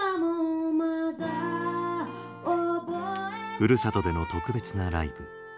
ふるさとでの特別なライブ。